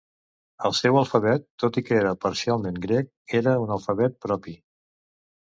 El seu alfabet, tot i que era parcialment grec, era un alfabet propi.